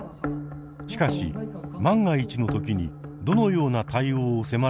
しかし万が一のときにどのような対応を迫られるのか。